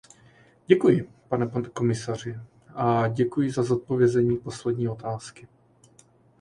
Děkuji, pane komisaři, a děkuji za zodpovězení poslední otázky.